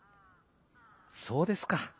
「そうですか。